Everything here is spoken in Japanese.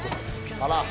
あら。